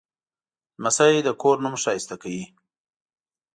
لمسی د کور نوم ښایسته کوي.